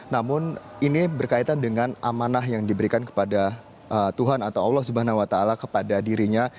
namun ini berkaitan dengan amanah yang diberikan kepada tuhan atau allah swt kepada dirinya